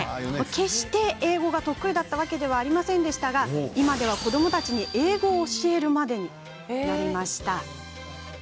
決して英語が得意だったわけではありませんが今では子どもたちに英語を教えるまでになりました。